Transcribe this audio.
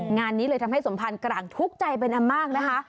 งานนี้เลยทำให้สมพันธ์กลางทุกข์ใจเป็นอันมากนะคะ